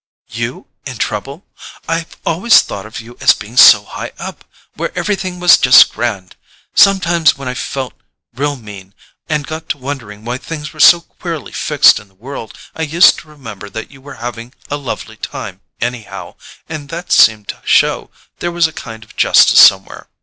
"YOU in trouble? I've always thought of you as being so high up, where everything was just grand. Sometimes, when I felt real mean, and got to wondering why things were so queerly fixed in the world, I used to remember that you were having a lovely time, anyhow, and that seemed to show there was a kind of justice somewhere.